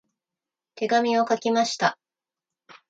手紙を書きました。